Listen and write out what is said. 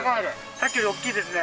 さっきよりおっきいですね。